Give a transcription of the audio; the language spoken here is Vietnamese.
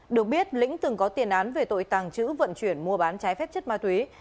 được biết lĩnh từng có tiền án về tội tàng trữ vận chuyển mua bán trái phép chất ma túy